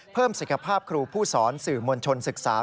เพิ่มสุขภาพครูผู้สอนสื่อมวลชนศึกษา